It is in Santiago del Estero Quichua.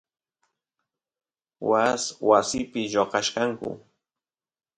waas wasipi lloqachkanku